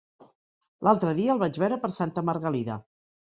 L'altre dia el vaig veure per Santa Margalida.